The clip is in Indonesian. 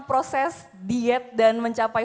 proses diet dan mencapai